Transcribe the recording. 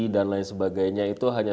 lain sebagainya itu hanya